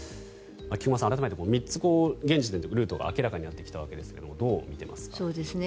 菊間さん、改めて３つ現時点でルートが明らかになってきたわけですがどう見ていますか。